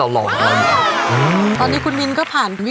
โปรดติดตามต่อไป